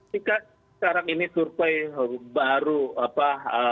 jika sekarang ini survei baru apa